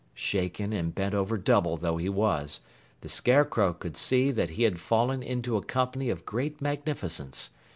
Shaken and bent over double though he was, the Scarecrow could see that he had fallen into a company of great magnificence.